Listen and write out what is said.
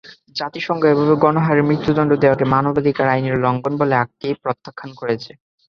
জাতিসংঘ এভাবে গণহারে মৃত্যুদণ্ড দেওয়াকে মানবাধিকার আইনের লঙ্ঘন বলে আগেই প্রত্যাখ্যান করেছে।